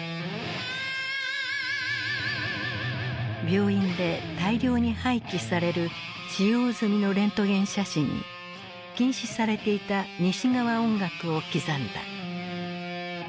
病院で大量に廃棄される使用済みのレントゲン写真に禁止されていた西側音楽を刻んだ。